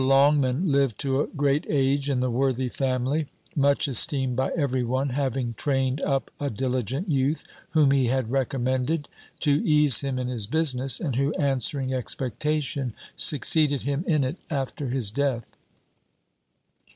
LONGMAN lived to a great age in the worthy family, much esteemed by every one, having trained up a diligent youth, whom he had recommended, to ease him in his business, and who, answering expectation, succeeded him in it after his death.